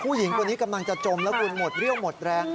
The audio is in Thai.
ผู้หญิงคนนี้กำลังจะจมแล้วคุณหมดเรี่ยวหมดแรง